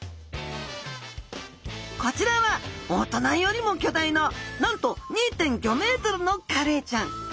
こちらは大人よりも巨大ななんと２．５ｍのカレイちゃん。